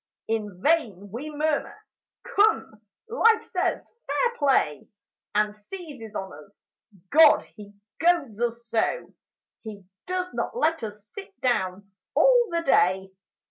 In vain we murmur; "Come," Life says, "Fair play!" And seizes on us. God! he goads us so! He does not let us sit down all the day.